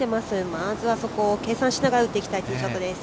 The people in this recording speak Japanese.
まずはそこを計算しながら打っていきたいティーショットです。